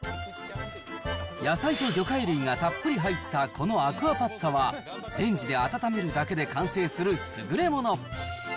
野菜と魚介類がたっぷり入ったこのアクアパッツァは、レンジで温めるだけで完成する優れもの。